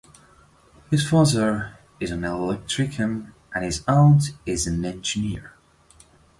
His father is an electrician and his aunt is an engineer.